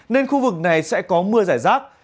nên khu vực này sẽ có mưa giải rác